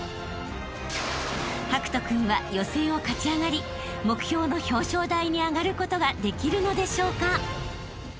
［博仁君は予選を勝ち上がり目標の表彰台に上がることができるのでしょうか？］